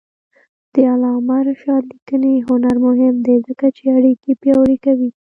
د علامه رشاد لیکنی هنر مهم دی ځکه چې اړیکې پیاوړې کوي.